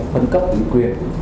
phân cấp quyền